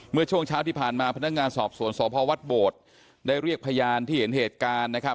เมื่อช่วงเช้าที่ผ่านมาพนักงานสอบสวนสพวัดโบสถ์ได้เรียกพยานที่เห็นเหตุการณ์นะครับ